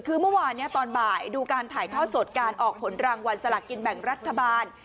คือเมื่อวานตอนบ่ายดูการถ่ายทอดสดการออกผลรางวัลสลากกินแบ่งรัฐบาล